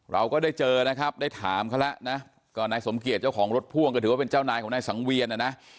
เราก็ได้เจอนะครับได้ถามเขาแล้วนะก็นายสมเกียจเจ้าของรถพ่วงก็ถือว่าเป็นเจ้านายของนายสังเวียนนะนะ